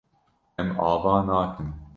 Em ava nakin.